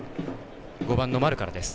５番の丸からです。